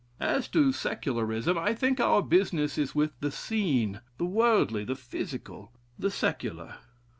As to Secularism, I think our business is with the seen, the worldly, the physical, the secular.